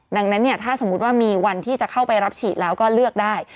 ดังนั้นเนี่ยถ้าสมมุติว่ามีวันที่จะเข้าไปรับฉีดแล้วก็เลือกได้